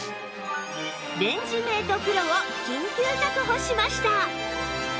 レンジメート ＰＲＯ を緊急確保しました！